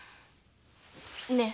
ねえ。